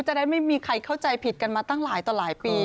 จะได้ไม่มีใครเข้าใจผิดกันมาตั้งหลายต่อหลายปี